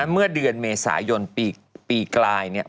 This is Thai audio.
เมื่อเดือนเมษายนปีกลายเนี่ย